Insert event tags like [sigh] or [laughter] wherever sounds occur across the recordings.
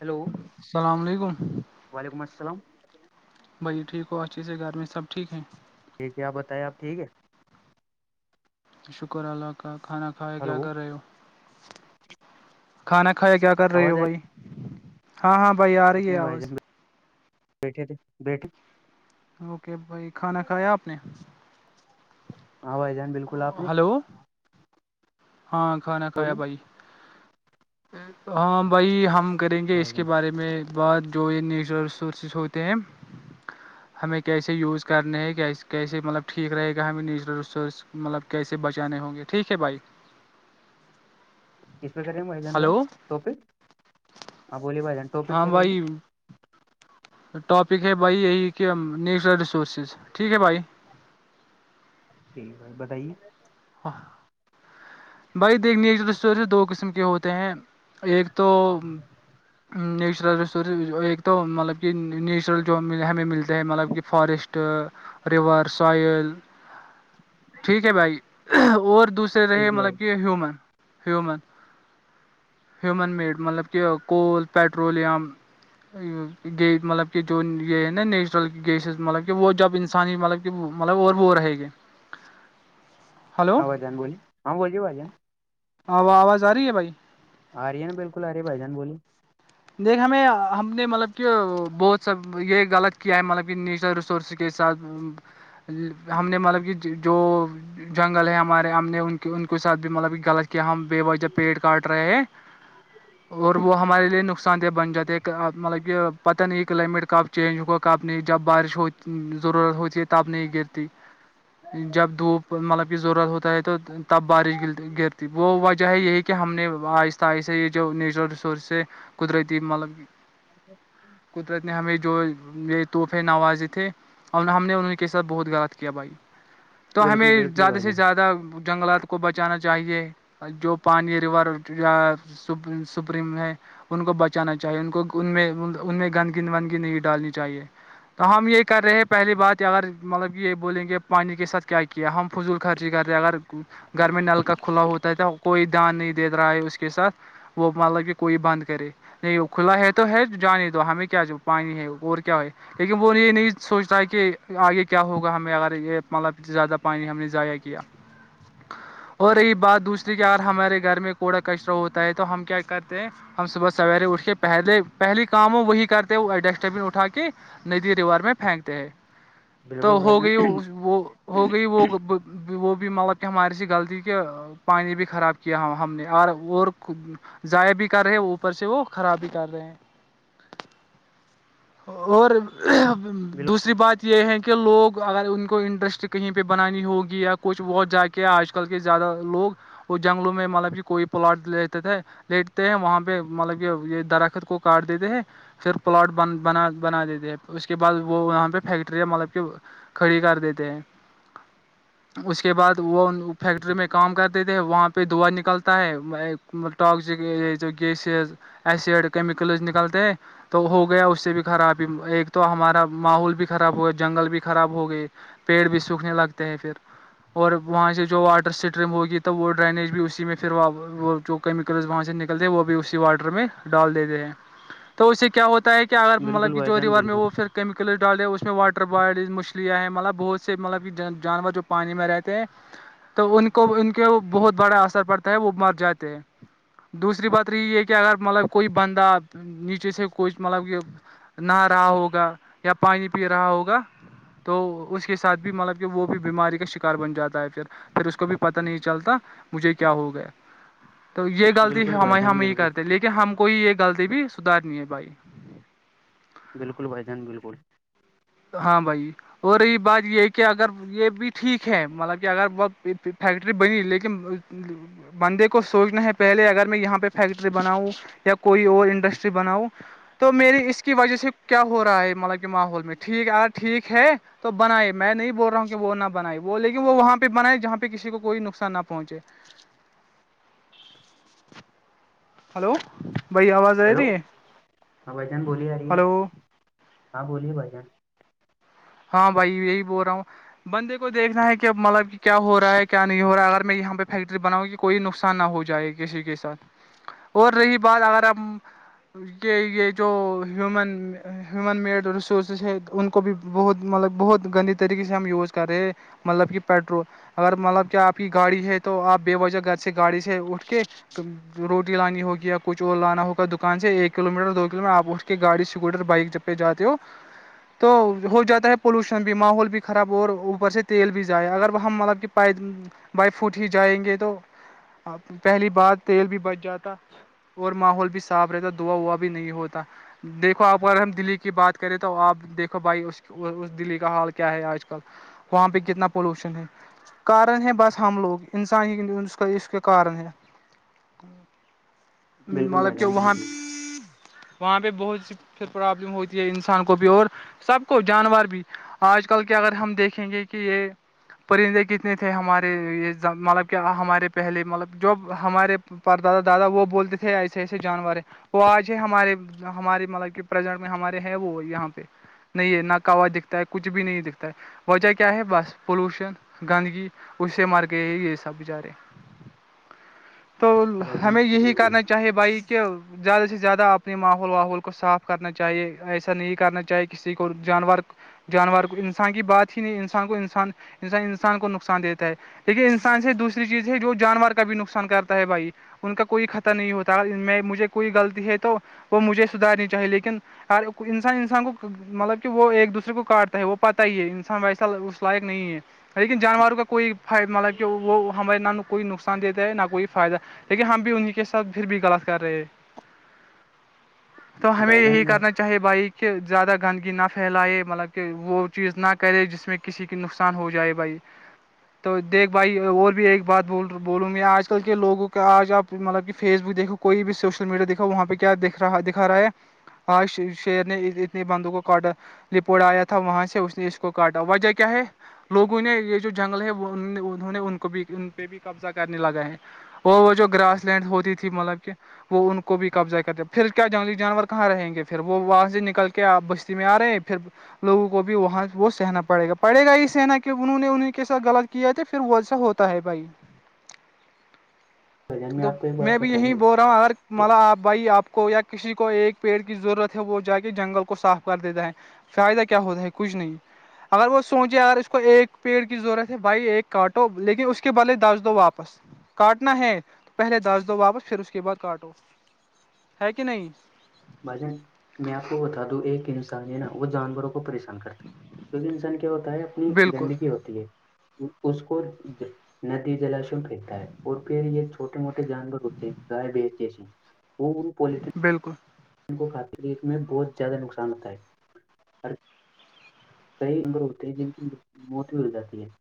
hello السلام علیکم وعلیکم السلام بھی ٹھیک ہو اچھے سے گھر میں سب ٹھیک ہے ٹھیک ہے آ بتیں آپ ٹھیک ہے شکر اللہ کا کھانا کھایا کیا ہلو کر رہے ہو کھانا کھایا کیا کر رہی ہو بھائی ہاں ہاں بھائی آ کھ رہی ہے نہیں ب د آواز بیھے تھ بیٹ اوکے بھائی کھانا کھایا آپ نے ہاں بھائی جان بالکل آپ نے ہلو ہاں کھانا کھایا بولیے بھائی ہاں بھائی ہم کریں گے اس بھائی کے جان بارے میں میں بعد جو یہ نیچرل ریسورسز ہوتے ہیں [inaudible] ہمیں کیسے یوز کرنے ہیں کیسے کیسے مطلب ٹھیک رہے گا ہمیں نیچرل ریسورس مطلب کیسے بچانے ہوں گے ٹھیک ہے بھائی کس پہ کرے بھائی جان با ہلو ٹاپک ہ بولیے بھائی جان ٹاپک ہاں کیا رہے بھائی گا ٹاپک ہے بھائی یہی کہ نیچرل ریسورسز ٹھیک ہے بھائی ٹھیک بھائی بتائیے [inaudible] بھائی دیکھنی سے دو قسم کے ہوتے ہیں ایک تو نیچرل ریسورسز ایک تو مطلب کہ نیچرل جو ہمیں ملتے ہیں مطلب کہ فارسٹ ریور سوئل ٹھیک ہے بھائی اور دوسرے رہے ٹھیک ہے بھائی مطلب کہ ہیومن ہیومن ہین میڈ مطلب کہ کول پیٹرولیم گی مطلب کہ جو یہ ہے نا نیچرل گیسز مطلب کہ وہ جب انسان ہی مطلب مطلب اور بور ہے گ ہاں وجان بولی ہاں بوجے باجان آو آواز آ رہی ہے بھائی آ رہ ہے ن بالکل آ رہی ہے بائی جان بولی دیک ہمیں ہم نے مطلب کہ بہت سا یہ غلط کیا ہے مطلب کہ نیچرل ریسورس کے ساتھ ہم نے مب جو جنگل ہے ہمارے ہم نے ان کے ان کے ساتھ بھی مطلب کہ غلط کیا ہم بے وججہ پیٹ کاٹ رہے ہیں اور وہ ہمارے لیے نقصان نقان بن جاتے ہیں مطلب کہ پتا نہیں کلائمیٹ کب چینج ہوا کب نہیں جب بارش ہوتی ضرورت ہوتی ہے تپ نہیں گرتی جب دھوپ مطلب کہ ضرورت ہوتا ہے تو تب بارش گرتی وہ وجہ ہے یہی کہ ہم نے آہستہ آہستہ یہ جو نیچرل ریسورس قدرتی مطلب کہ اور ب قدرت نے ہمیں جو یہ تحفے نوازے تھے اور ہم نے انہ کے ساتھ بہت غلط کیا بھائی تو بالکل ہمیں بالکل زیادہ بھائی سے جان زیادہ جنگلات کو بچانا چاہیے جو پانی ریور سپریم ہے ان کو بچانا چاہیے ان کو ان ان میں گندگ وندگی نہیں ڈالنی چاہیے تو ہم یہ کر رہے ہیں پہلی بات اگر مطلب کہ یہ بولیں گے پانی کے ساتھ کیا کہ ہم فضول خرچی کر رہے ہیں اگر گھر میں نلک کھلا ہوتا تھا کوئی دان نہیں دے رہا ہے اس کے ساتھ وہ مطلب کہ کوئی بند کرے نہیں وہ کھلا ہے تو ہے جانے دو ہمیں جو پانی ہے اور کیا ہے لیکن وہ یہ نہیں سوچتا کہ آگے کیا کیا ہوگا ہمیں اگر یہ مطلب زیادہ پانی ہم نے ضائع کیا اور یہی بات دوسری کہ اگر ہمارے گھر میں کوڑا کچرا ہوتا ہے تو ہم کیا کرتے ہیں ہم صبح سویرے اٹھ کے پہلے پہلی کام ہو وہی کرتے ہو ڈسٹ بین اٹھا کے ندی ریور میں پھینکتے ہیں بالکل تو بھائی ہو گئی جان وہ ہو گئی وہ وہ بھی مطلب کہ ہماری سی غلطی کہ پانی بھی خراب کیا ہو ہم نے اور اور ضائع بھی کیا کر رہے اوپر سے وہ خرابی کر رہے ہیں اور دوسری بات یہ ہیں کہ لوگ اگر ان کو انٹرسٹ کہیں پہ بنانی ہوگی یا کچھ بہت جا کے کہ آج کل کے زیادہ لوگ وہ جنگلوں میں مطلب کہ کوئی پلاٹ لیتے تھے لیٹتے ہیں وہاں پہ مطلب کہ یہ درخت کو کاٹ دیتے ہیں پھر پلاٹ بند بنا بنا دیتے ہیں اس کے بعد وہاں پہ فیکٹریاں مطلب کہ کھڑی کر دیتے ہیں اس کے بعد وہ فیکٹری میں کام کرتے دیتے ہیں وہاں پہ دوا نکلتا ہے ٹاکسک جو گیسز ایسڈ کیمیکلز نکلتے تو ہو گیا اس بھی خرابی ایک تو ہمارا ماحول بھی خراب ہو گا جنگل بھی خراب ہو گئے پیڑ بھی سوکھنے لگتے ہیں پھر اور وہاں سے جو واٹر اسٹریم ہوگی تو وہ ڈرینیج بھی اسی میں پھر وہ جو کیمیکلز وہاں سے نکلتے ہیں وہ بھی اسی واٹر میں ڈال دیتے ہیں تو اس سے کیا ہوتا ہے کہ اگر بالکل مطلب کہ بھائی جو جان ریور میں بالکل وہ پھر کیمیکلس ڈالے اس میں واٹر باڈیز مچھلیاں ہیں مطلب بہت سے مطلب کہ جانور جو پانی میں رہتے ہیں تو ان کو ان کے بہت بڑا اثر پڑتا ہے وہ مر جاتے ہیں دوسری بات رہی ہے کہ اگر مطلب کوئی بندہ نیچے سے کوئی مطلب کہ نہا رہا ہوگا یا پانی پی رہا ہوگا تو اس کے ساتھ بھی مطلب کہ وہ بھی بیماری کا شکار بن جاتا ہے پھر پھر اس کو بھی پتاہ نہیں چلتا مجھے کیا ہو گیا تو یہ غلطی بالکل بھائی ہمیں جان ہم یہ بالکل کرتے لیکن ہم کوئی یہ غلطی بھی سدارنی ہے بھائی بالکل بھائی جان بالکل ہاں بھائی ہو رہی بات یہ ہے کہ اگر یہ بھی ٹھیک ہے مطلب کہ اگر ب فیکٹری بنی لیکن بندے کو سوچنا ہے پہلے اگر میں یہاں پہ فیکٹری بناؤں یا کوئی اور انڈسٹری بناؤ تو میری اس کی وجہ سے کیا ہو رہا ہے مطلب کہ ماحول میں ٹھیک یار ٹھیک ہے تو بنائے میں نہیں بول رہا ہوں کہ وہ نہ بنائے وہ لیکن وہاں پہ بائے جہاں پہ کسی کوئی نقصان نہ پہنچے ہلو بھائی آواز آ ہلو تی ہے ہاں بھائی جان بولیے آ رہی ہے نا ہلو ہاں بولیے بھائی جان ہاں بھائی یہی بول رہا ہوں بندے کو دیکھنا ہے کہ مطلب کیا ہو رہا ہے کیا نہیں ہو رہا ہے اگر میں یہاں پہ فیکٹری بناؤ کی کوئی نقصان نہ ہو جائے کسی کے ساتھ اور رہی بات اگر آپ یہ یہ جو ہیومن ہیومن میڈ ریسورسز ہے ان کو بھی بہت مطلب بہت گندی طریقے سے ہم یوز کر رہے ہیں مطلب کہ پیٹرول اگر مطلب کہ آپ کی گاڑی ہے تو آپ بے وجہ گھر سے گاڑی سے اٹھ کے روٹی لانی ہوگ یا کچھ اور لانا ہوگاکان سے ایک کلو میٹر دو کلو میٹر آپ اٹھ کے گاڑیکوٹر بائک جب پہ جاتے ہو تو ہو جاتا ہے پولوشن بھی ماحول بھی خراب اور اوپر سے تیل بھی جائے اگر ہم مطلب کہ پیدل بائی فوٹ ہی جائیں گے تو پہلی بار تیل بھی بچ جاتا اور ماحول بھی صاف رہتا دوا ووا بھی نہیں ہوتا دیکو آپ اگر ہم دلی کی بات کریں تو آپ دیکھو بھائی اس اس دلی کا حال کیا ہے آج کل وہاں پہ کتنا پالوشن ہے کارن ہے بس ہم لوگ انسان ہی اس کا اس کا کارن ہے بالکل مطلب بھائی کہ جان وہن [unintelligible] بالکل وہاں پہ بہت سی پھر پرابلم ہوتی ہے انسان کو بھی اور سب کو جانور بھی آج کل کے اگر ہم دیکھیں گے کہ یہ پرندے کتنے تھے ہمارے یہ مطلب کہ ہمارے پہلے مطلب جوب ہمارے پر دادا دادا وہ بولتے تھے ایسے ایسے جانور وہ آج ہے ہمارے ہمارے مطلب کہ پرزنٹ میں ہمارے ہیں وہ یہاں پہ نہیں ہے ن کاواز دکھتا ہے کچھ بھی نہیں دکھتا ہے وجہ کیا ہے بس پولوشن گندگی اس سے مر گئے یہ سب بیچارے [inaudible] تو ہاں بھائی جان ہمیں یہی بالکل کرنا چاہیے بھائی کہ زیادہ سے زیادہ اپنے ماحول واحول کو صاف کرنا چاہیے ایسا نہیں کرنا چاہیے کہ کسی کو جانور جانور کو انسان کی بات نہیں انسان کو انسان ان انسان کو نقصان دیتا ہے دیکھیے انسان سے دوسری چیز ہے جو جانور کا بھی نقصان کرتا ہے بھائی ان کا کوئی خطر نہیں ہوتا میں مجھے کوئی غلطی ہے تو وہ مجھے سدارنی چاہیے لیکن انسان انسان کو مطلب کہ وہ ایک دوسرے کو کاٹتا ہے وہ پتا ہی ہے انسان ویسا اس لائق نہیں ہے لیکن جانوروں کا کوئی مطلب کہ وہ ہمارے نہ کوئی نقصان دیتا ہے نہ کوئی فائدہ لیکن ہم بھی انہیں کے ساتھ پھر بھی غلط کر رہے ہیں [inaudible] تو ہمیں بھائی جان یہی میں آپ کرنا چاہیے بھائی کہ زیادہ گندگی نہ پھیلائے مطلب کہ وہ چیز نہ کرے جس میں کسی کی نقصان ہو جائے بھائی تو دیکھ بھائی اور بھی ایک بات ب بولوں گی آج کل کے لوگوں کا آج آپ مطلب کہ فیس بک دیکھو کوئی بھی سوشل میڈیا دکھاؤ وہاں پہ کیا دکھا رہا ہے آج شیر نے اس بندو کو کاٹا لپوڑا آیا تھا وہاں سے اس نے اس کو کاٹا وجہ کیا ہے لوگوں نے یہ جو جنگل ہے انہوں نے ان کو بھی ان پہ بھی قبضہ کرنے لگا ہے [unintelligible] وہ وہ جو گراس لینڈ ہوتی تھی مطلب کہ وہ ان کو بھی قبضہ کرتے پھر کیا جنگلی جانور کہاں رہیں گے پھر وہاں سے نکل کے کیا آپ بشی میں آ رہے ہیں پھر لوگوں کو بھی وہاں وہ سہنا پڑے گا پڑےا ہی سہنا کہ انہوں نے انیں کے ساتھ غط کیا تھ پھر ویسا ہوتا ہے بھائی [inaudible] تو آپ کو ایک میں بات بھی بتا یہیں دوں بول رہا ہوں اگر اے- مل آپ بھائی آپ کو یا کسی کو ایک پیڑ کی ضرورت ہے وہ جا کے جنگل کو کو صاف کر دیتا ہے فائدہ کیا ہوتا ہے کچھ نہیں اگر وہ سوچے اگر اس کو ایک پیڑ کی ضرورت ہے بھائی ایک کاٹو لیکن اس کے بدلے دس دو واپس کاٹنا ہے تو پہلے دس دو واپس پھر اس کے بعد کاٹو ہے کہ نہیں بھاجن میں آپ کو بتا دوں ایک انسانی ہے نا وہ جانوروں کو پریشان کرتا ہے کیونکہ انسان کیا ہوتا ہے اپنی بالکل گندگی ہوتی ہے اس کو ندی جلاشم پھینکتا ہے اور پھر یہ [inaudible] [inaudible] چھٹے موٹے جان بور ہوتے گائے بج جسے وہ ان پول بالکل ان کو کھاتے رٹ میں بہت زیادہ نقصان ہوتا ہے اور کئی لر ہوتے ہیں جن کی موت بھی ہو جاتی ہے [inaudible]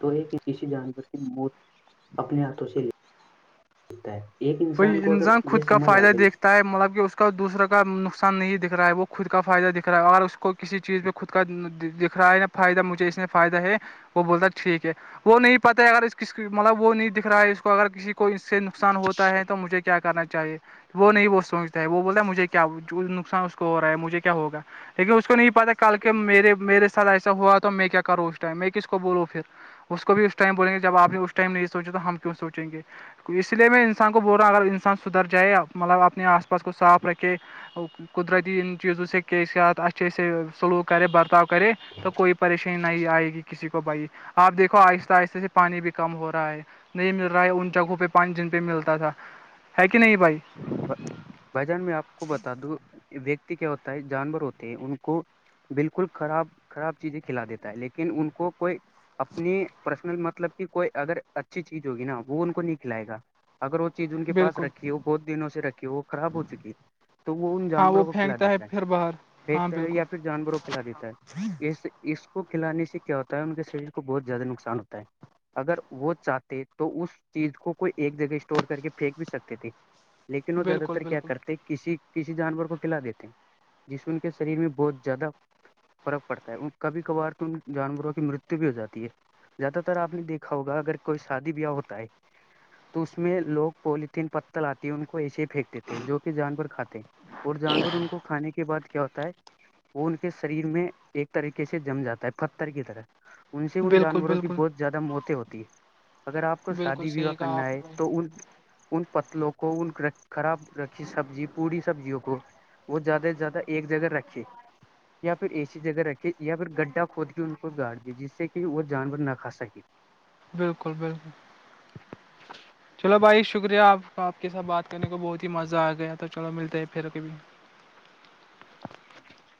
تو ایک کسی جانور کی موت اپنے ہاتھوں سے ل لتا ہے ایک کوئی انسان کو اگر یہ خود کا سمجھ آ فائدہ گئی دیکھتا ہے مطلب کہ اس کا دوسرا کا نقصان نہیں دکھ رہا ہے وہ خود کا فائدہ دکھ رہا ہے اور اس کو کسی چیز پہ خود کا دکھ رہا ہے نا فائدہ مجھے اس نے فائدہ ہے وہ بولتا ہے ٹھیک ہے وہ نہیں پتاہ اگر اس ک مطلب وہ نہیں دکھ رہا ہے اس کو اگر کسی کو اس سے نقصان ہے تو مجھے کیا کرنا چاہیے وہ نہیں وہ سوچتا ہے وہ بولتا ہے مجھے کیا نقصان اس کو ہو رہا ہے مجھے کیا ہوگا لیکن اس کو نہیں پتا کل کے میرے میرے سات ایسا ہوا تو میں کیا کروں اس ٹائم میں کس کو بولوں پھر اس کو بھی اس ٹائم بولیں گے جب آپ نے اس ٹائم نہیں سوچا تو ہم کیوں سوچیں گے تو اس لیے میں انسان کو بول رہا اگر انسان سدھر جائے مطلب اپنے آس پاس کو صاف رکھے قدرتی چیزوں سے کی سیااتسھ سے سلوک کرے برتؤ کرے تو کوئی پریشانی نہیں آئے گی کسی کو بائی آپ دیکو آہستہ آہستہ سے پانی بھی کم ہو رہا ہے نہیں مل رہا ہے ان جگہوں پہ پانچ دن پہ ملتا تھا ہے کہ نہیں بھائی بجان میں آپ کو بتا دوں ویکتی کیا ہوتا ہے جانور ہوتے ہیں ان کو بالکل خراب خراب چیزیں کھلا دیتا ہے لیکن ان کو کوئی اپنی پرسنل مطلب کی کوئی اگر اچھی چیز ہوگی نا وہ ان کو نہیں کھلائے گا اگر وہ چیز ان کے پس بالکل رکھی ہے وہ بہت دنوں سے رکھی وہ خراب ہو چک ہے تو وہ ان ہاں وہ جانوروں کو کھلا پھینکتا دیتا ہے پھر باہر ہاں پھیکتا ہے بالکل یا پھر جانوروں کھلا دیتا ہے اس کو کھلانے سے کیا ہوتا ہے ان کے شریر کو بہت زیادہ نقصان ہوتا ہے اگر وہ چاہتے تو اس چیز کو کوئی ایک جگہ اسٹور کر کے پھینک بھی سکتے تھے لیکن وہ زیادہ بالکل تر کیا بالکل کرتے کسی کسی جانور کو کھلا دیتے ہیں جسے ان کے شریر میں بہت زیادہ فرق پڑتا ہے کبھی کبھار تو ان جانوروں کی مرتو بھی ہو جاتی ہے زیادہ تر آپ نے دیکھا ہوگا اگر کوئی شادی بیاہ ہوتا ہے تو اس میں لوگ پولیتھیین پتل آتے ان کو ایسے ہی پھینکتے تھے جو کہ جانور کھاتے ہیں اور جانور ان کو کھانے کے بعد کیا ہوتا ہے وہ ان کے شریر میں ایک طریقے سے جم جاتا ہے پتر کی طرح ان سے ان بالکل جانوروں کی بالکل بہت زیادہ موتیں ہوتی ہے اگر آپ کو بالکل شادی وواہ صحیح کہا کرنا آپ نے ہے بھائی تو ان ان پتلوں کو کوول خراب رکھی سبزی پوری سبزیوں کو [inaudible] وہ زیادہ سے زیادہ ایک جگہ رکھے یا پھر اے سسی جگہ رکھے یا پھر گڈھا کھود کے ان کو گاڑ دی جس سے کہ وہ جانور نہ کھا سکے بالکل بالکل [inaudible] چلو بھائی شکریہ آپ کا آپ کے ساتھ بات کرنے کو بہت ہی مزہ آ گیا تو چلو ملتے ہیں پھر کبھی- [inaudible]